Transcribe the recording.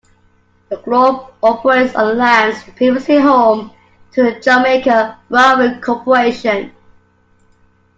The club operates on lands previously home to the Jamaica Railway Corporation.